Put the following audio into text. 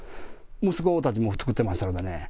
息子たちのも作ってましたからね。